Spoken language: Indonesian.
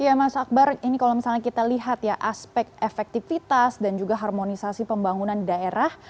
iya mas akbar ini kalau misalnya kita lihat ya aspek efektivitas dan juga harmonisasi pembangunan daerah